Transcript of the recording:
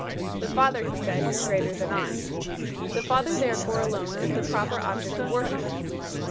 The Father, He said, is greater than I. The Father therefore alone is the proper object of worship.